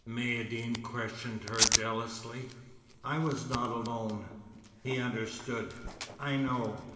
Maïeddine questioned her jealously. "I was not alone." He understood. "I know.